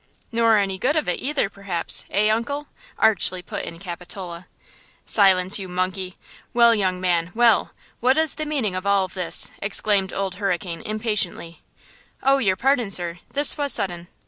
"Nor any good of it either, perhaps–eh, uncle?" archly put in Capitola. "Silence, you monkey! Well, young man, well, what is the meaning of all this?" exclaimed old Hurricane, impatiently. "Oh, your pardon, sir; this was sudden.